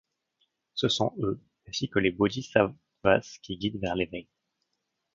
Ce sont eux, ainsi que les Bodhisattvas, qui guident vers l'Éveil.